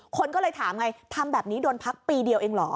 คนก็เลยถามไงทำแบบนี้โดนพักปีเดียวเองเหรอ